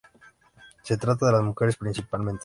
Se trata de las mujeres, principalmente.